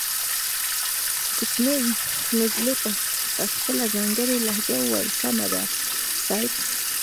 کوچنۍ نجلۍ په خپله ځانګړې لهجه وويل سمه ده صيب.